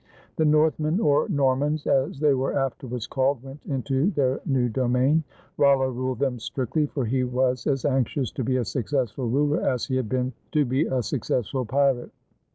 The Northmen, or Normans, as they were afterwards called, went into their new domain. Rollo ruled them strictly, for he was as anxious to be a successful ruler as he had been to be a successful pirate.